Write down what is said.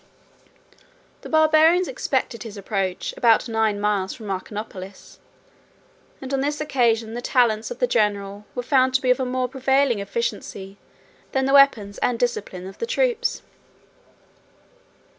The Barbarians expected his approach about nine miles from Marcianopolis; and on this occasion the talents of the general were found to be of more prevailing efficacy than the weapons and discipline of the troops.